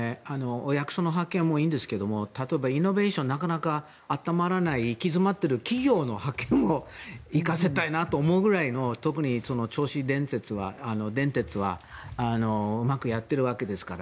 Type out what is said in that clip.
お役所の派遣もいいんですが例えば、イノベーションがなかなか温まらない行き詰まっている企業を派遣に行かせたいと思うような特に銚子電鉄はうまくやっているわけですから。